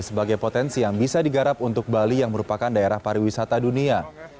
sebagai potensi yang bisa digarap untuk bali yang merupakan daerah pariwisata dunia